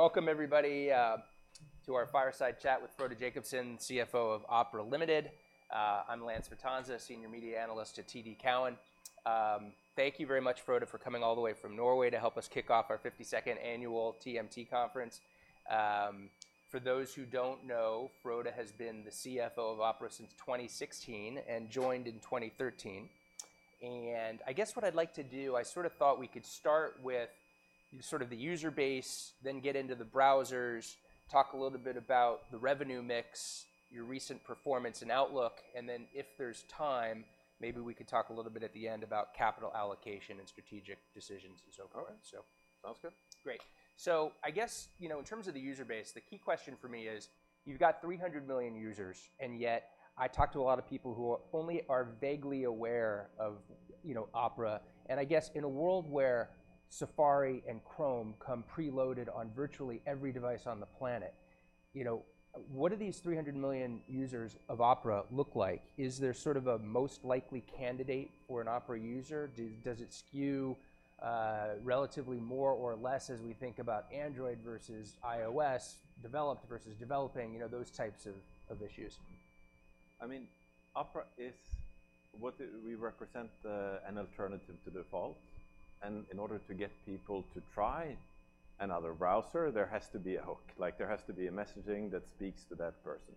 Welcome, everybody, to our Fireside Chat with Frode Jacobsen, CFO of Opera Limited. I'm Lance Vitanza, Senior Media Analyst at TD Cowen. Thank you very much, Frode, for coming all the way from Norway to help us kick off our 52nd annual TMT Conference. For those who don't know, Frode has been the CFO of Opera since 2016 and joined in 2013. I guess what I'd like to do, I sort of thought we could start with sort of the user base, then get into the browsers, talk a little bit about the revenue mix, your recent performance and outlook, and then if there's time, maybe we could talk a little bit at the end about capital allocation and strategic decisions and so forth. Okay. Sounds good. Great. So I guess, you know, in terms of the user base, the key question for me is, you've got 300 million users, and yet I talk to a lot of people who only are vaguely aware of, you know, Opera. And I guess in a world where Safari and Chrome come preloaded on virtually every device on the planet, you know, what do these 300 million users of Opera look like? Is there sort of a most likely candidate for an Opera user? Does it skew, relatively more or less as we think about Android versus iOS, developed versus developing, you know, those types of issues? I mean, Opera is what we represent, an alternative to default. And in order to get people to try another browser, there has to be a hook. Like, there has to be a messaging that speaks to that person.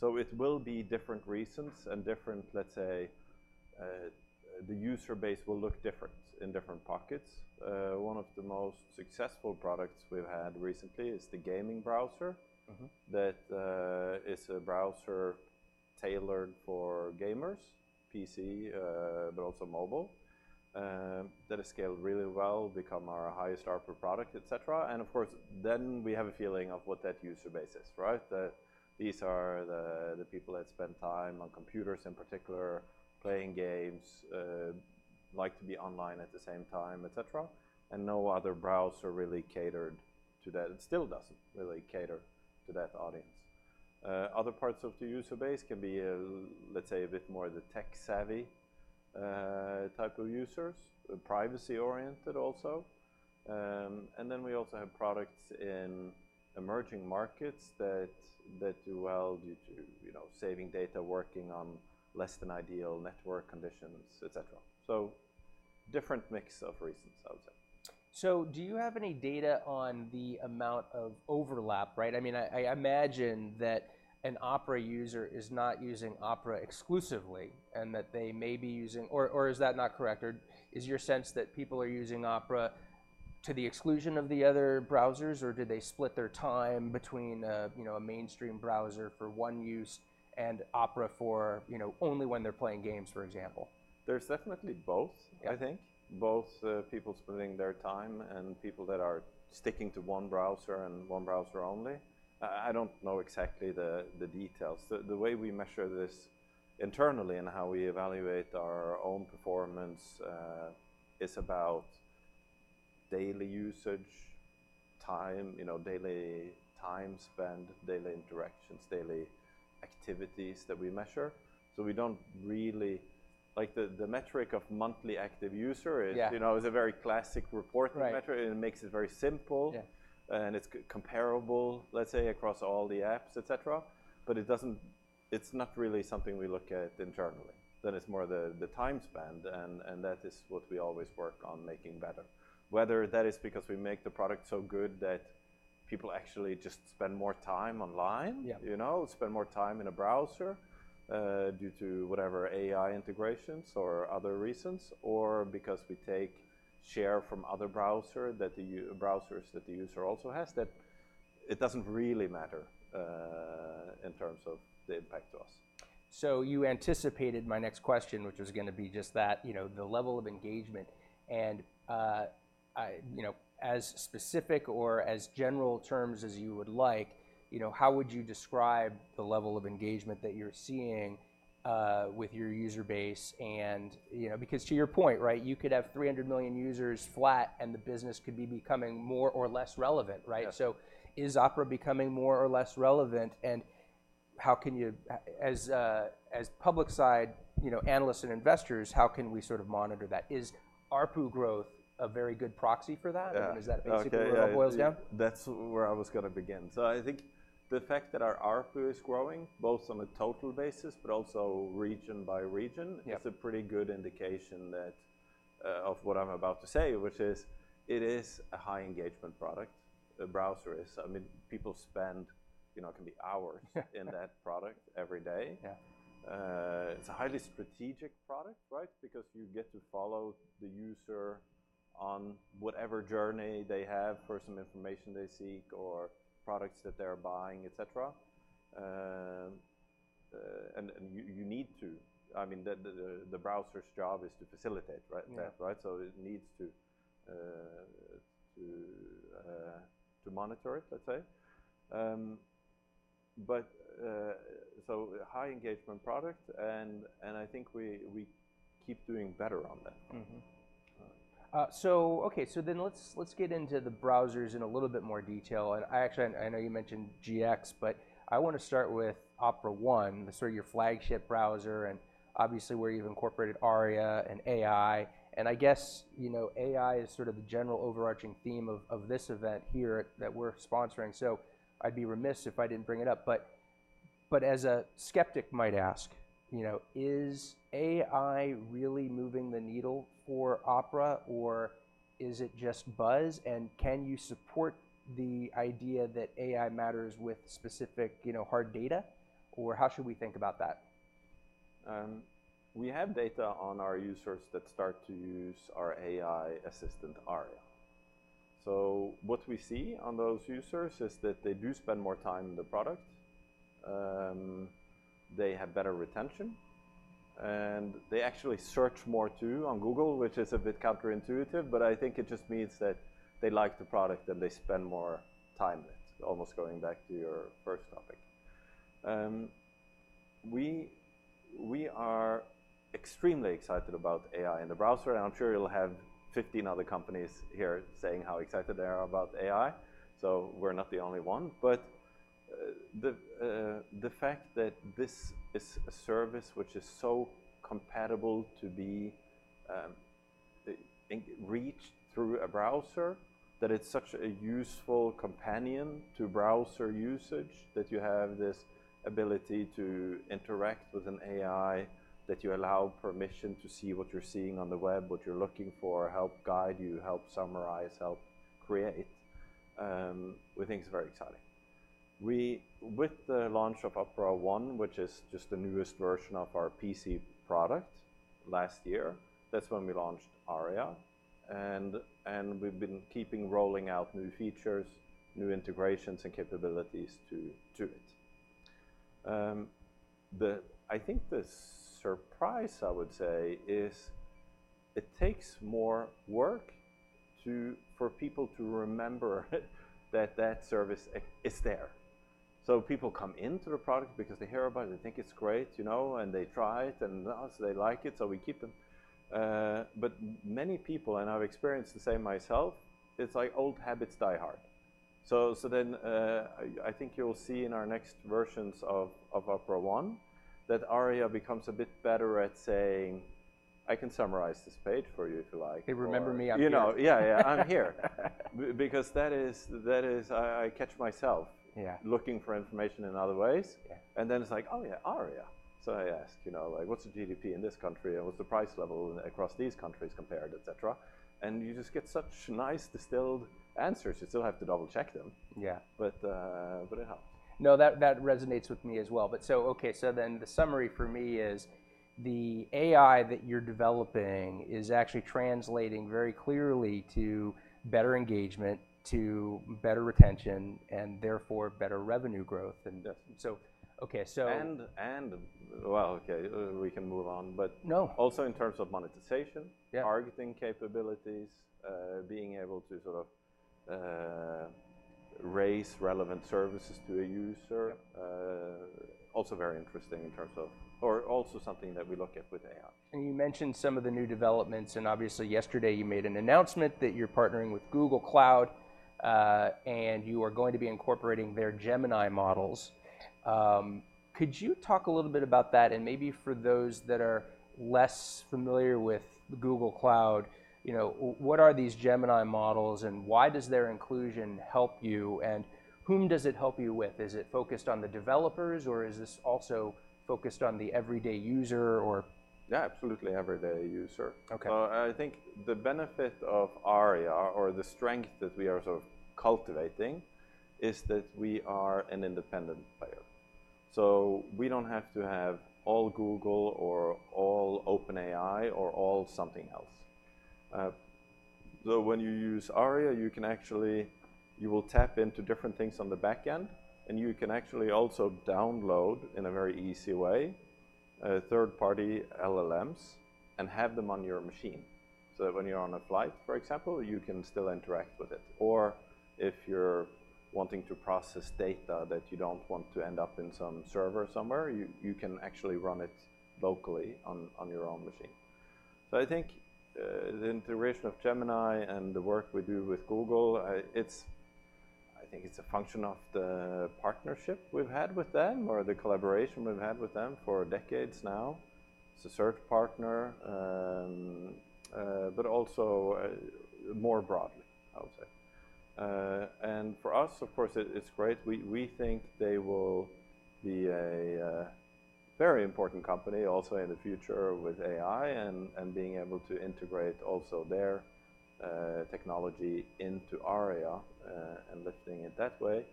So it will be different reasons and different, let's say, the user base will look different in different pockets. One of the most successful products we've had recently is the gaming browser. Mm-hmm. That is a browser tailored for gamers, PC, but also mobile, that has scaled really well, become our highest-order product, etc. And of course, then we have a feeling of what that user base is, right? That these are the people that spend time on computers in particular, playing games, like to be online at the same time, etc., and no other browser really catered to that. It still doesn't really cater to that audience. Other parts of the user base can be, let's say, a bit more the tech-savvy, type of users, privacy-oriented also. And then we also have products in emerging markets that do well due to, you know, saving data, working on less-than-ideal network conditions, etc. So different mix of reasons, I would say. So do you have any data on the amount of overlap, right? I mean, I imagine that an Opera user is not using Opera exclusively and that they may be using or is that not correct? Or is your sense that people are using Opera to the exclusion of the other browsers, or did they split their time between, you know, a mainstream browser for one use and Opera for, you know, only when they're playing games, for example? There's definitely both, I think. Both people splitting their time and people that are sticking to one browser and one browser only. I don't know exactly the details. The way we measure this internally and how we evaluate our own performance is about daily usage, time, you know, daily time spent, daily interactions, daily activities that we measure. So we don't really like the metric of monthly active user is, you know, it's a very classic reporting metric, and it makes it very simple, and it's comparable, let's say, across all the apps, etc., but it doesn't, it's not really something we look at internally. Then it's more the time spent, and that is what we always work on making better. Whether that is because we make the product so good that people actually just spend more time online, you know, spend more time in a browser, due to whatever, AI integrations or other reasons, or because we take share from other browsers that the user also has, that it doesn't really matter, in terms of the impact to us. So you anticipated my next question, which was going to be just that, you know, the level of engagement. And, you know, as specific or as general terms as you would like, you know, how would you describe the level of engagement that you're seeing, with your user base? And, you know, because to your point, right, you could have 300 million users flat, and the business could be becoming more or less relevant, right? So is Opera becoming more or less relevant, and how can you as, as public-side, you know, analysts and investors, how can we sort of monitor that? Is ARPU growth a very good proxy for that? Is that basically what it all boils down to? That's where I was going to begin. So I think the fact that our ARPU is growing, both on a total basis but also region by region, is a pretty good indication of what I'm about to say, which is it is a high-engagement product. A browser is, I mean, people spend, you know, it can be hours in that product every day. It's a highly strategic product, right, because you get to follow the user on whatever journey they have for some information they seek or products that they're buying, etc., and you need to. I mean, the browser's job is to facilitate that, right? So it needs to monitor it, let's say. So high-engagement product, and I think we keep doing better on that. So, okay, so then let's get into the browsers in a little bit more detail. And I actually, I know you mentioned GX, but I want to start with Opera One, sort of your flagship browser, and obviously where you've incorporated Aria and AI. And I guess, you know, AI is sort of the general overarching theme of this event here that we're sponsoring. So I'd be remiss if I didn't bring it up. But as a skeptic might ask, you know, is AI really moving the needle for Opera, or is it just buzz? And can you support the idea that AI matters with specific, you know, hard data? Or how should we think about that? We have data on our users that start to use our AI assistant, Aria. So what we see on those users is that they do spend more time in the product. They have better retention. And they actually search more too on Google, which is a bit counterintuitive, but I think it just means that they like the product and they spend more time with it, almost going back to your first topic. We are extremely excited about AI in the browser, and I'm sure you'll have 15 other companies here saying how excited they are about AI. So we're not the only one. But the fact that this is a service which is so compatible to be reached through a browser, that it's such a useful companion to browser usage, that you have this ability to interact with an AI, that you allow permission to see what you're seeing on the web, what you're looking for, help guide you, help summarize, help create, we think is very exciting. With the launch of Opera One, which is just the newest version of our PC product last year, that's when we launched Aria. And we've been keeping rolling out new features, new integrations, and capabilities to it. I think the surprise, I would say, is it takes more work for people to remember that that service is there. So people come into the product because they hear about it, they think it's great, you know, and they try it, and they like it, so we keep them. But many people, and I've experienced the same myself, it's like old habits die hard. So then, I think you'll see in our next versions of Opera One that Aria becomes a bit better at saying, "I can summarize this page for you if you like. They remember me after you. You know, yeah, yeah, I'm here. Because that is, I catch myself looking for information in other ways, and then it's like, "Oh, yeah, Aria." So I ask, you know, like, "What's the GDP in this country? And what's the price level across these countries compared, etc.?" And you just get such nice distilled answers. You still have to double-check them. But it helps. No, that resonates with me as well. But so, okay, so then the summary for me is the AI that you're developing is actually translating very clearly to better engagement, to better retention, and therefore better revenue growth. And so, okay, so. Well, okay, we can move on. But also in terms of monetization, targeting capabilities, being able to sort of raise relevant services to a user, also very interesting in terms of or also something that we look at with AI. You mentioned some of the new developments. Obviously, yesterday you made an announcement that you're partnering with Google Cloud, and you are going to be incorporating their Gemini models. Could you talk a little bit about that? Maybe for those that are less familiar with Google Cloud, you know, what are these Gemini models, and why does their inclusion help you? Whom does it help you with? Is it focused on the developers, or is this also focused on the everyday user? Yeah, absolutely everyday user. So I think the benefit of Aria or the strength that we are sort of cultivating is that we are an independent player. So we don't have to have all Google or all OpenAI or all something else. So when you use Aria, you can actually you will tap into different things on the back end, and you can actually also download in a very easy way third-party LLMs and have them on your machine. So when you're on a flight, for example, you can still interact with it. Or if you're wanting to process data that you don't want to end up in some server somewhere, you can actually run it locally on your own machine. So I think the integration of Gemini and the work we do with Google, it's, I think, a function of the partnership we've had with them or the collaboration we've had with them for decades now. It's a search partner, but also more broadly, I would say. And for us, of course, it's great. We think they will be a very important company also in the future with AI and being able to integrate also their technology into Aria and lifting it that way.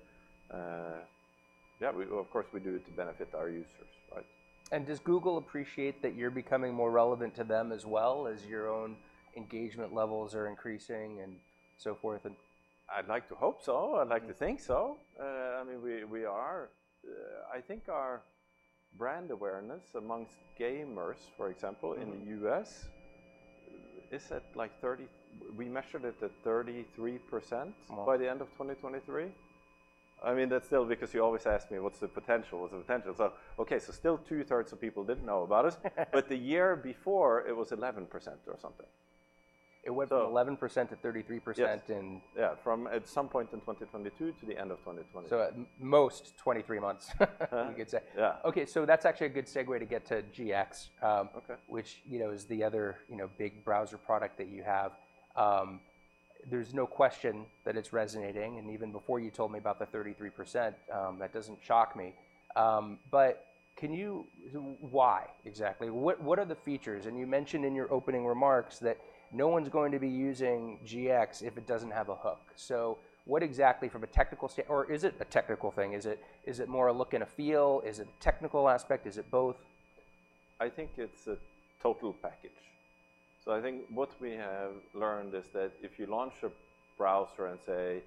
Yeah, of course, we do it to benefit our users, right? Does Google appreciate that you're becoming more relevant to them as well, as your own engagement levels are increasing and so forth? I'd like to hope so. I'd like to think so. I mean, we are. I think our brand awareness among gamers, for example, in the U.S., is at like 30%. We measured it at 33% by the end of 2023. I mean, that's still because you always ask me, "What's the potential? What's the potential?" So, okay, so still two-thirds of people didn't know about us. But the year before, it was 11% or something. It went from 11%-33% in. Yeah, from some point in 2022 to the end of 2020. So at most 23 months, you could say. Okay, so that's actually a good segue to get to GX, which, you know, is the other, you know, big browser product that you have. There's no question that it's resonating. And even before you told me about the 33%, that doesn't shock me. But can you why exactly? What are the features? And you mentioned in your opening remarks that no one's going to be using GX if it doesn't have a hook. So what exactly, from a technical standpoint or is it a technical thing? Is it more a look and a feel? Is it a technical aspect? Is it both? I think it's a total package. So I think what we have learned is that if you launch a browser and say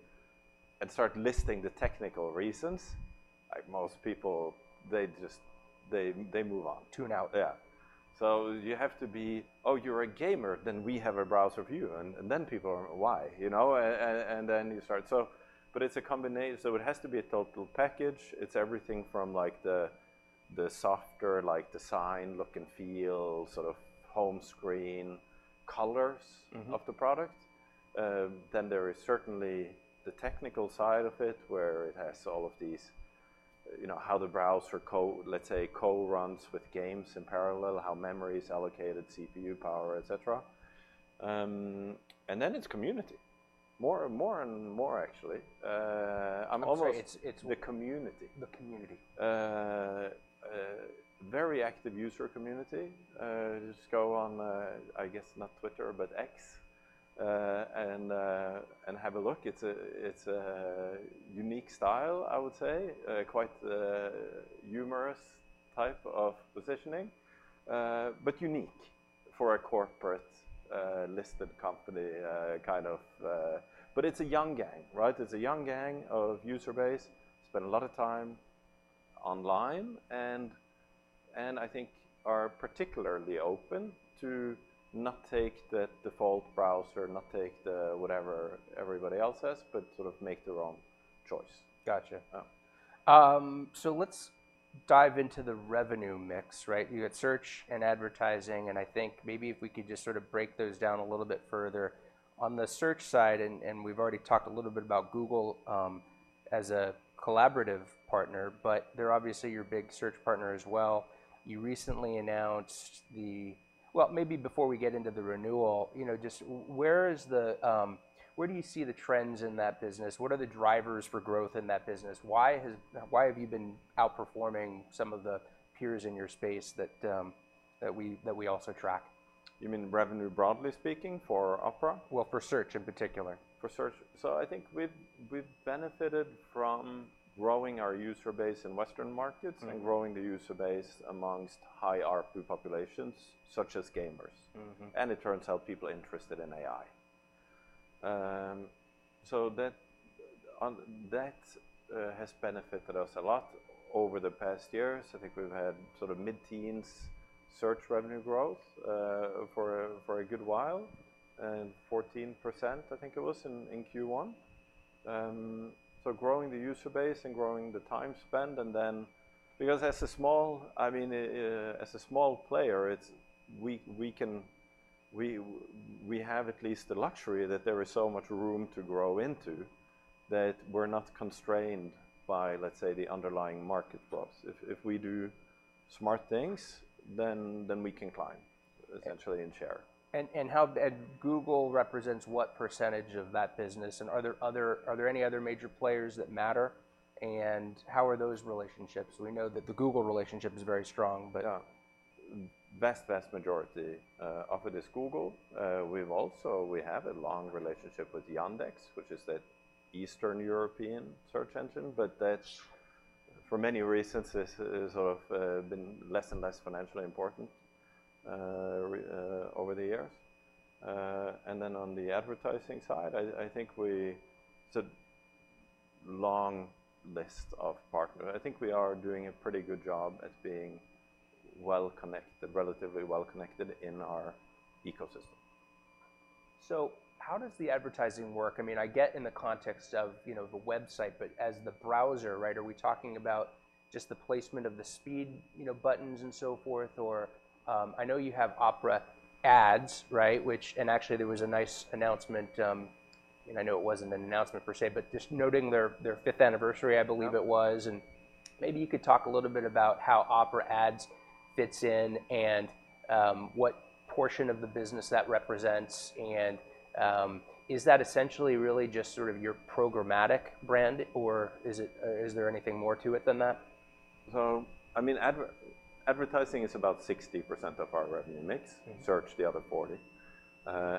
and start listing the technical reasons, like most people, they just move on. Tune out. Yeah. So you have to be, "Oh, you're a gamer. Then we have a browser for you." And then people are, "Why?" You know? And then you start so but it's a combination. So it has to be a total package. It's everything from like the softer, like design, look and feel, sort of home screen, colors of the product. Then there is certainly the technical side of it, where it has all of these, you know, how the browser code, let's say, co-runs with games in parallel, how memory is allocated, CPU power, etc. And then it's community, more and more, actually. I'm almost the community. The community. Very active user community. Just go on, I guess, not Twitter, but X and have a look. It's a unique style, I would say, quite a humorous type of positioning, but unique for a corporate listed company kind of. But it's a young gang, right? It's a young gang of user base who spend a lot of time online and I think are particularly open to not take that default browser, not take whatever everybody else has, but sort of make their own choice. Gotcha. So let's dive into the revenue mix, right? You had search and advertising. I think maybe if we could just sort of break those down a little bit further. On the search side, and we've already talked a little bit about Google as a collaborative partner, but they're obviously your big search partner as well. You recently announced, well, maybe before we get into the renewal, you know, just where do you see the trends in that business? What are the drivers for growth in that business? Why have you been outperforming some of the peers in your space that we also track? You mean revenue broadly speaking for Opera? Well, for search in particular. For search. So I think we've benefited from growing our user base in Western markets and growing the user base amongst high-ARPU populations, such as gamers. And it turns out people are interested in AI. So that has benefited us a lot over the past years. I think we've had sort of mid-teens search revenue growth for a good while, 14%, I think it was, in Q1. So growing the user base and growing the time spend. And then because as a small, I mean, as a small player, we have at least the luxury that there is so much room to grow into that we're not constrained by, let's say, the underlying market drops. If we do smart things, then we can climb, essentially, in share. How big does Google represent what percentage of that business? Are there any other major players that matter? How are those relationships? We know that the Google relationship is very strong, but. Vast majority of it is Google. We have a long relationship with Yandex, which is that Eastern European search engine. But that's, for many reasons, sort of been less and less financially important over the years. And then on the advertising side, I think it's a long list of partners. I think we are doing a pretty good job at being relatively well connected in our ecosystem. So how does the advertising work? I mean, in the context of the website, but as the browser, right, are we talking about just the placement of the speed buttons and so forth? Or I know you have Opera Ads, right? And actually, there was a nice announcement. I mean, I know it wasn't an announcement per se, but just noting their fifth anniversary, I believe it was. And maybe you could talk a little bit about how Opera Ads fits in and what portion of the business that represents. And is that essentially really just sort of your programmatic brand, or is there anything more to it than that? So I mean, advertising is about 60% of our revenue mix, search the other 40%.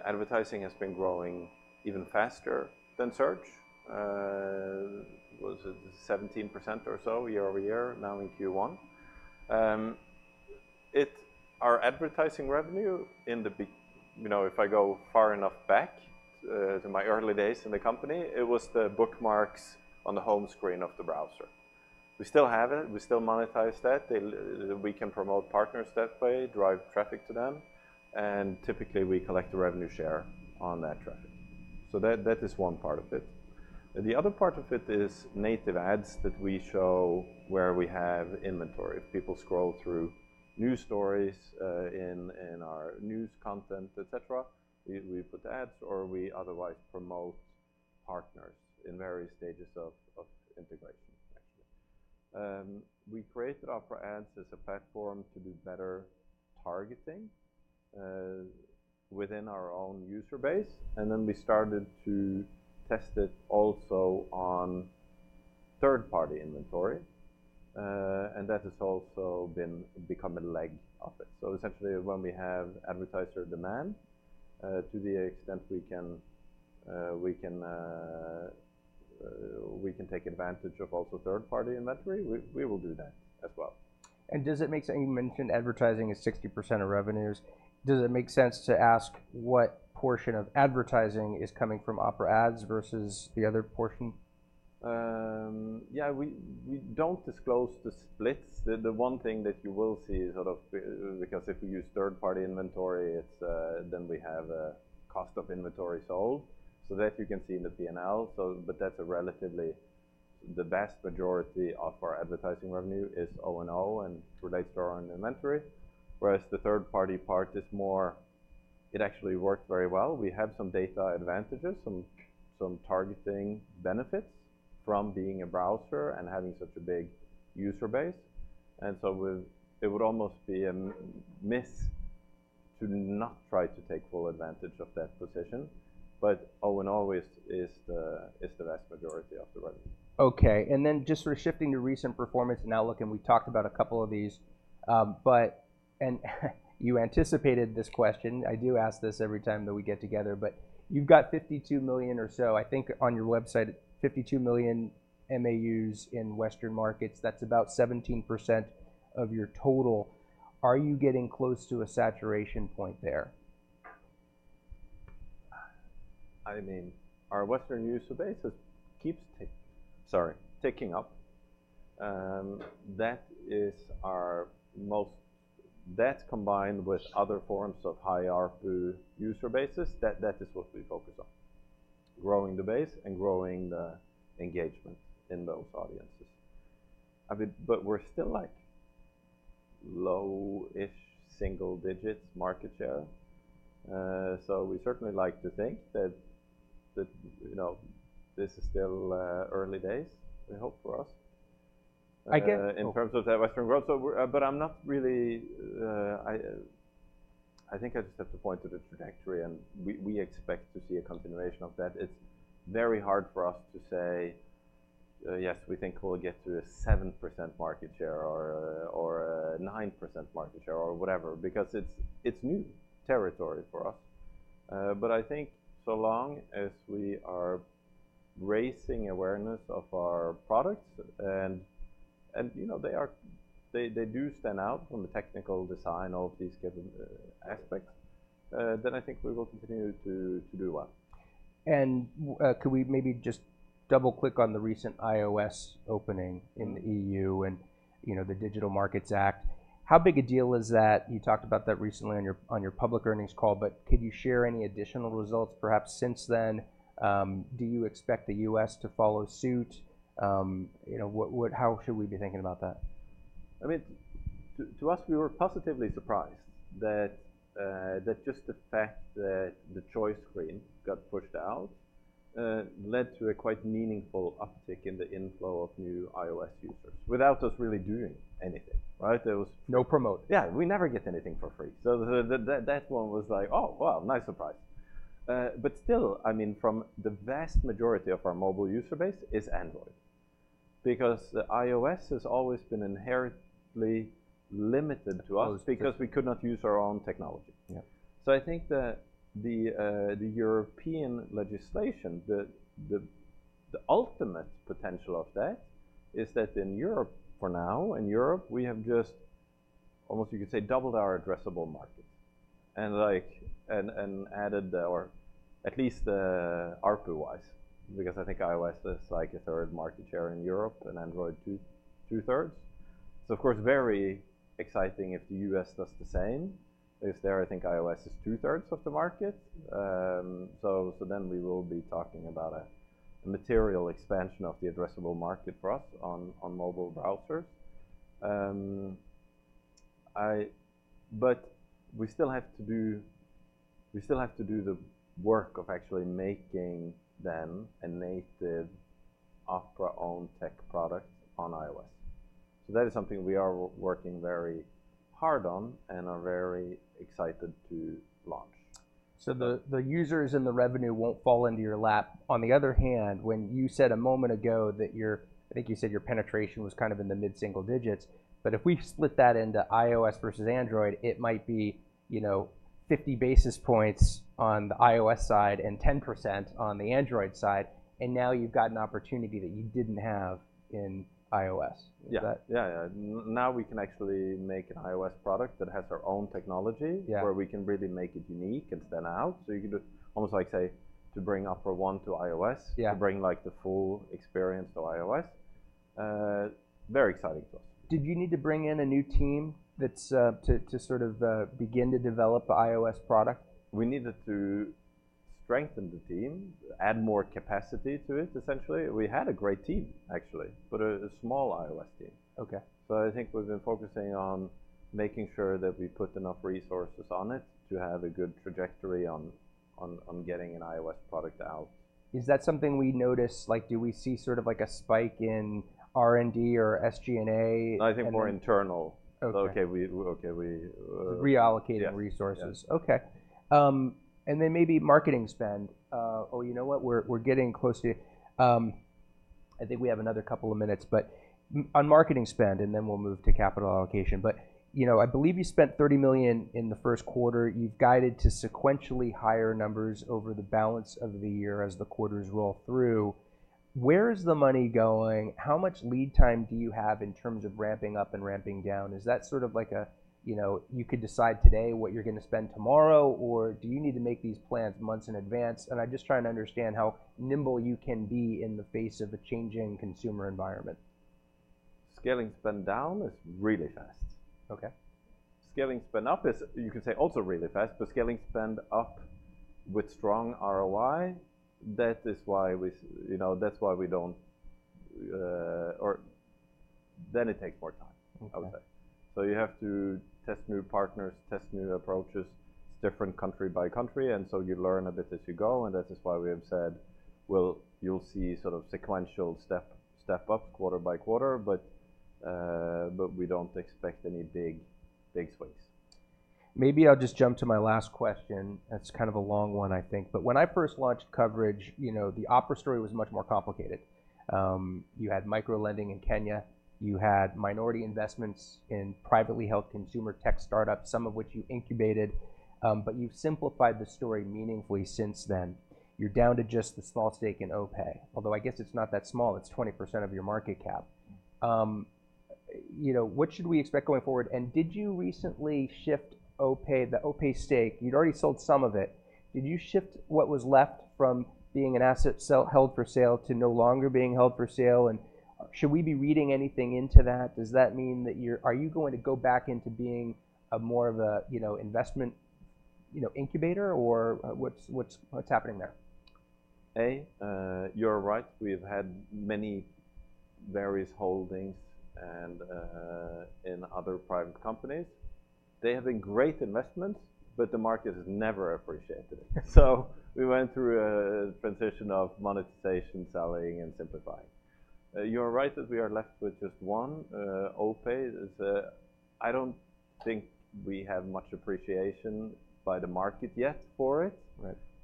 Advertising has been growing even faster than search. It was 17% or so year-over-year, now in Q1. Our advertising revenue, if I go far enough back to my early days in the company, it was the bookmarks on the home screen of the browser. We still have it. We still monetize that. We can promote partners that way, drive traffic to them. And typically, we collect a revenue share on that traffic. So that is one part of it. The other part of it is native ads that we show where we have inventory. If people scroll through news stories in our news content, etc., we put ads. Or we otherwise promote partners in various stages of integration, actually. We created Opera Ads as a platform to do better targeting within our own user base. And then we started to test it also on third-party inventory. And that has also become a leg of it. So essentially, when we have advertiser demand, to the extent we can take advantage of also third-party inventory, we will do that as well. Does it make sense you mentioned advertising is 60% of revenues? Does it make sense to ask what portion of advertising is coming from Opera Ads versus the other portion? Yeah, we don't disclose the splits. The one thing that you will see is sort of because if we use third-party inventory, then we have a cost of inventory sold. So that you can see in the P&L. But that's a relatively the vast majority of our advertising revenue is O&O and relates to our own inventory. Whereas the third-party part is more it actually worked very well. We have some data advantages, some targeting benefits from being a browser and having such a big user base. And so it would almost be a miss to not try to take full advantage of that position. But O&O is the vast majority of the revenue. OK. Then just sort of shifting to recent performance and outlook. We talked about a couple of these. You anticipated this question. I do ask this every time that we get together. But you've got 52 million or so, I think, on your website, 52 million MAUs in Western markets. That's about 17% of your total. Are you getting close to a saturation point there? I mean, our Western user base keeps ticking up. That's combined with other forms of high ARPU user bases. That is what we focus on, growing the base and growing the engagement in those audiences. But we're still like low-ish single digits market share. So we certainly like to think that this is still early days, we hope, for us in terms of that Western growth. But I'm not really. I think I just have to point to the trajectory. We expect to see a continuation of that. It's very hard for us to say, yes, we think we'll get to a 7% market share or a 9% market share or whatever, because it's new territory for us. I think so long as we are raising awareness of our products, and they do stand out from the technical design of these aspects, then I think we will continue to do well. Could we maybe just double-click on the recent iOS opening in the EU and the Digital Markets Act? How big a deal is that? You talked about that recently on your public earnings call. Could you share any additional results, perhaps, since then? Do you expect the U.S. to follow suit? How should we be thinking about that? I mean, to us, we were positively surprised that just the fact that the choice screen got pushed out led to a quite meaningful uptick in the inflow of new iOS users without us really doing anything, right? No promote. Yeah, we never get anything for free. So that one was like, oh, wow, nice surprise. But still, I mean, from the vast majority of our mobile user base, it's Android. Because iOS has always been inherently limited to us because we could not use our own technology. So I think the European legislation, the ultimate potential of that, is that in Europe, for now, in Europe, we have just almost, you could say, doubled our addressable market and added, at least ARPU-wise, because I think iOS is like a third market share in Europe and Android two-thirds. It's, of course, very exciting if the U.S. does the same. If they're, I think iOS is two-thirds of the market. So then we will be talking about a material expansion of the addressable market for us on mobile browsers. But we still have to do the work of actually making, then, a native Opera-owned tech product on iOS. So that is something we are working very hard on and are very excited to launch. So the users and the revenue won't fall into your lap. On the other hand, when you said a moment ago that your, I think you said, your penetration was kind of in the mid-single digits. But if we split that into iOS versus Android, it might be 50 basis points on the iOS side and 10% on the Android side. And now you've got an opportunity that you didn't have in iOS. Yeah, yeah. Now we can actually make an iOS product that has our own technology, where we can really make it unique and stand out. So you could almost like say to bring Opera One to iOS, to bring the full experience to iOS. Very exciting to us. Did you need to bring in a new team to sort of begin to develop the iOS product? We needed to strengthen the team, add more capacity to it, essentially. We had a great team, actually, but a small iOS team. So I think we've been focusing on making sure that we put enough resources on it to have a good trajectory on getting an iOS product out. Is that something we notice? Do we see sort of like a spike in R&D or SG&A? I think more internal. OK. Reallocating resources. OK. And then maybe marketing spend. Oh, you know what? We're getting close to, I think, we have another couple of minutes. But on marketing spend, and then we'll move to capital allocation. But I believe you spent $30 million in the first quarter. You've guided to sequentially higher numbers over the balance of the year as the quarters roll through. Where is the money going? How much lead time do you have in terms of ramping up and ramping down? Is that sort of like a you could decide today what you're going to spend tomorrow? Or do you need to make these plans months in advance? And I'm just trying to understand how nimble you can be in the face of a changing consumer environment. Scaling spend down is really fast. Scaling spend up is, you could say, also really fast. But scaling spend up with strong ROI, that is why we don't or then it takes more time, I would say. So you have to test new partners, test new approaches. It's different country by country. And so you learn a bit as you go. And that is why we have said, well, you'll see sort of sequential step-ups quarter by quarter. But we don't expect any big swings. Maybe I'll just jump to my last question. It's kind of a long one, I think. But when I first launched coverage, the Opera story was much more complicated. You had microlending in Kenya. You had minority investments in privately held consumer tech startups, some of which you incubated. But you've simplified the story meaningfully since then. You're down to just the small stake in OPay, although I guess it's not that small. It's 20% of your market cap. What should we expect going forward? And did you recently shift OPay, the OPay stake? You'd already sold some of it. Did you shift what was left from being an asset held for sale to no longer being held for sale? And should we be reading anything into that? Are you going to go back into being more of an investment incubator? Or what's happening there? Ah, you're right. We've had many various holdings in other private companies. They have been great investments. But the market has never appreciated it. So we went through a transition of monetization, selling, and simplifying. You're right that we are left with just one, OPay. I don't think we have much appreciation by the market yet for it.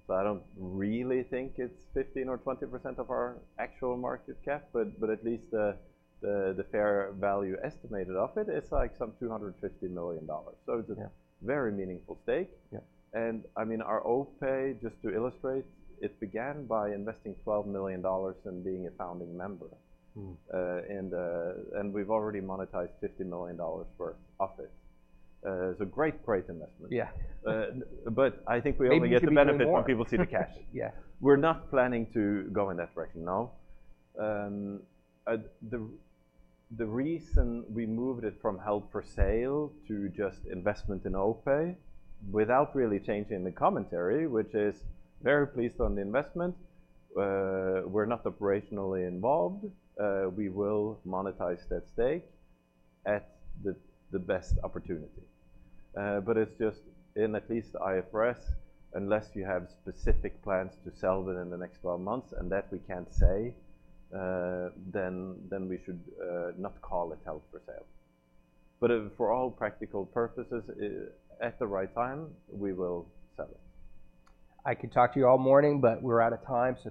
So I don't really think it's 15% or 20% of our actual market cap. But at least the fair value estimated of it is like some $250 million. So it's a very meaningful stake. And I mean, our OPay, just to illustrate, it began by investing $12 million in being a founding member. And we've already monetized $50 million worth of it. It's a great, great investment. Yeah, but I think we only get the benefit when people see the cash. We're not planning to go in that direction, no. The reason we moved it from held for sale to just investment in OPay, without really changing the commentary, which is very pleased on the investment, we're not operationally involved. We will monetize that stake at the best opportunity. But it's just, in at least IFRS, unless you have specific plans to sell within the next 12 months, and that we can't say, then we should not call it held for sale. But for all practical purposes, at the right time, we will sell it. I could talk to you all morning, but we're out of time. So.